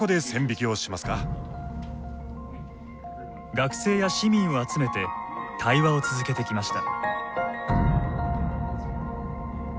学生や市民を集めて対話を続けてきました。